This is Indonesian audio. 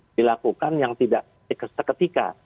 jadi dilakukan yang tidak seketika